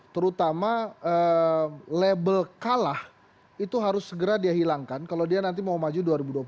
terutama label kalah itu harus segera dia hilangkan kalau dia nanti mau maju dua ribu dua puluh empat